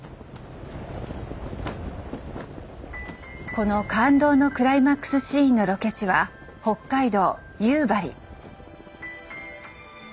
この感動のクライマックスシーンのロケ地は北海道夕張。